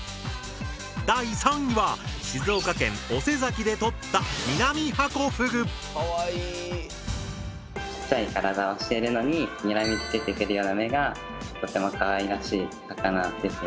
第３位は静岡県大瀬崎で撮ったちっちゃい体をしてるのににらみつけてくるような目がとてもかわいらしい魚ですね。